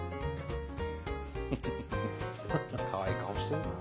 かわいい顔してるなあ。